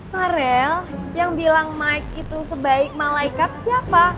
farel yang bilang mike itu sebaik malaikat siapa